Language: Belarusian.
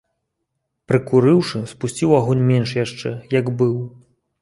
Прыкурыўшы, спусціў агонь менш яшчэ, як быў.